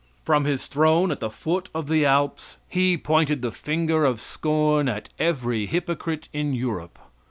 From his throne at the foot of the Alps he pointed the finger of scorn at every hypocrite in Europe.